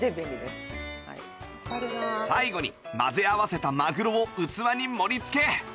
最後に混ぜ合わせたマグロを器に盛り付け